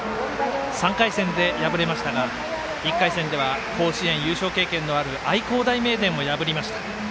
３回戦で敗れましたが１回戦では甲子園優勝経験のある愛工大名電を破りました。